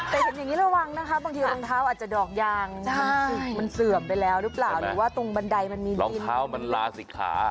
แต่เห็นอย่างนี้ระวังนะคะบางทีรองเท้าอาจจะดอกยางมันเสื่อมไปแล้วหรือเปล่าหรือว่าตรงบันไดมันมีรองเท้ามันลาศิกขา